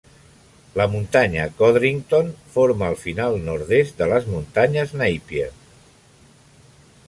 La muntanya Codrington forma el final nord-est de les muntanyes Napier.